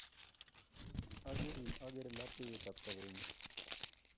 Akerin akere lapkeyet ap sobennyu.